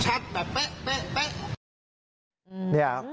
ชัดแบบเป๊ะเป๊ะเป๊ะ